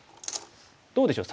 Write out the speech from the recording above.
どうでしょう？